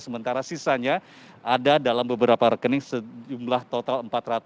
sementara sisanya ada dalam beberapa rekening sejumlah total empat ratus lima puluh empat